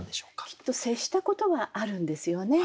きっと接したことはあるんですよね。